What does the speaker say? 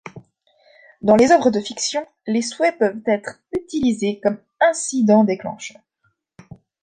Dans les œuvres de fiction, les souhaits peuvent être utilisés comme incidents déclencheurs.